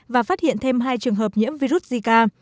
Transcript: và phát hiện thêm hai trường hợp nhiễm virus zika